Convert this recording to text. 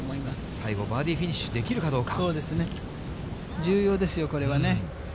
最後、バーディーフィニッシュできるかどうか。